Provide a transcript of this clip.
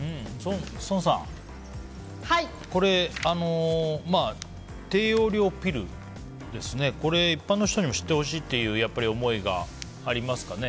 宋さん、低用量ピル一般の人にも知ってほしいという思いがありますかね。